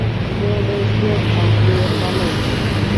د بزګر تندی خوله وي.